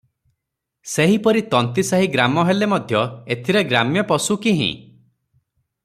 ସେହିପରି ତନ୍ତୀସାହି ଗ୍ରାମ ହେଲେ ମଧ୍ୟ ଏଥିରେ ଗ୍ରାମ୍ୟ ପଶୁ କିହିଁ ।